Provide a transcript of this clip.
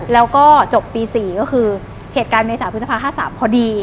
แล้วก็จบปี๔ก็คือเหตุการณ์เมษาพฤษภา๕๓พอดี